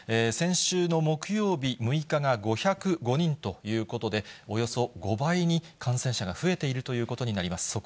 先週の木曜日６日が５０５人ということで、およそ５倍に感染者が増えているということになります。